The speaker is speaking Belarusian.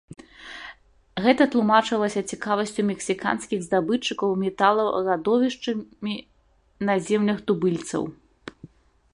Гэта тлумачылася цікавасцю мексіканскіх здабытчыкаў металаў радовішчамі на землях тубыльцаў.